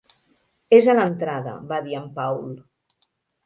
"És a l'entrada", va dir en Paul.